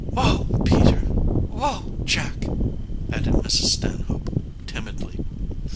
"Whoa, Peter; whoa, Jack!" added Mrs. Stanhope timidly.